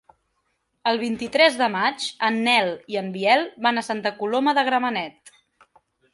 El vint-i-tres de maig en Nel i en Biel van a Santa Coloma de Gramenet.